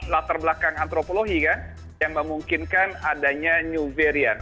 latar belakang antropologi kan yang memungkinkan adanya new variant